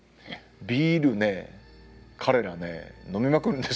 ビールね彼らね飲みまくるんですよ。